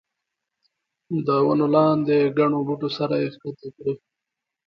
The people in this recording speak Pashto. د ونو لاندې ګڼو بوټو سره یې ښکته کړو.